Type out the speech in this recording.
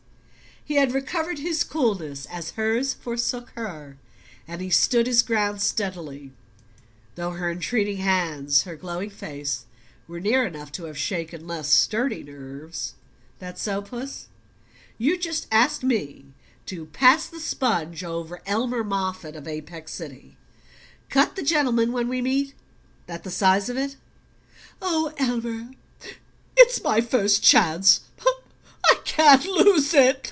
He had recovered his coolness as hers forsook her, and stood his ground steadily, though her entreating hands, her glowing face, were near enough to have shaken less sturdy nerves. "That so, Puss? You just ask me to pass the sponge over Elmer Moffatt of Apex City? Cut the gentleman when we meet? That the size of it?" "Oh, Elmer, it's my first chance I can't lose it!"